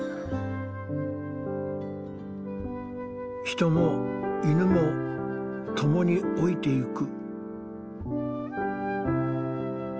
人も犬も共に老いていく。